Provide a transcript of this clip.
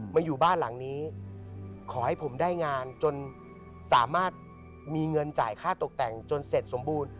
มาอยู่บ้านหลังนี้ขอให้ผมได้งานจนสามารถมีเงินจ่ายค่าตกแต่งจนเสร็จสมบูรณ์